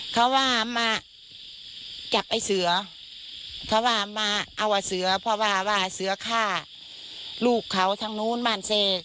เขาว่ามาจับไอ้เสือเพราะว่ามาเอาว่าเสือเพราะว่าว่าเสือฆ่าลูกเขาทางนู้นบ้านเซ